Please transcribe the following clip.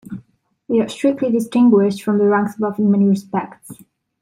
They are strictly distinguished from the ranks above in many respects.